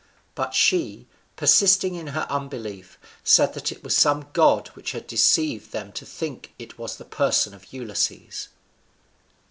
But she, persisting in her unbelief, said that it was some god which had deceived them to think it was the person of Ulysses.